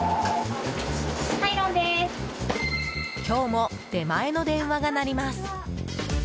今日も出前の電話が鳴ります。